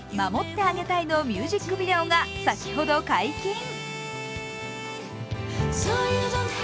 「守ってあげたい」のミュージックビデオが先ほど解禁。